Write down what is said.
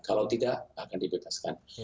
kalau tidak akan dibutaskan